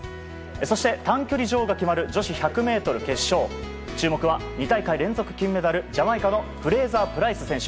そして、短距離女王が決まる女子１００ｍ決勝注目は２大会連続金メダルジャマイカのフレイザー・プライス選手。